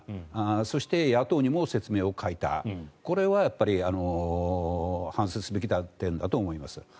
そして、野党にも説明を欠いたこれは反省すべき点だと思います。